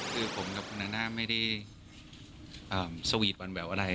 คือผมกับคุณนาน่าไม่ได้สวีทวันแหววอะไร